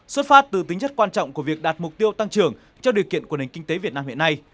xuất phát từ tính chất quan trọng của việc đạt mục tiêu tăng trưởng cho điều kiện của nền kinh tế việt nam hiện nay